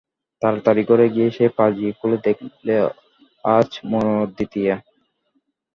তাড়াতাড়ি ঘরে গিয়েই সে পাঁজি খুলে দেখলে, আজ মনোরথ-দ্বিতীয়া।